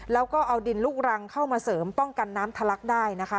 แล้วก็เอาดินลูกรังเข้ามาเสริมป้องกันน้ำทะลักได้นะคะ